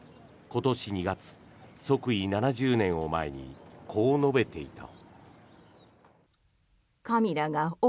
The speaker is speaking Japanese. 今年２月、即位７０年を前にこう述べていた。